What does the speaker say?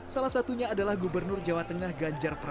salah satunya adalah gubernur jawa tengah ganjar pranowo